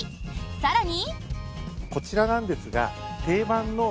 更に。